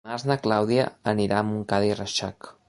Dimarts na Clàudia anirà a Montcada i Reixac.